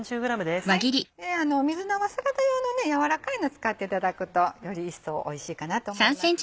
水菜は柔らかいのを使っていただくとより一層おいしいかなと思います。